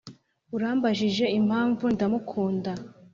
urambajije impamvu ndamukunda;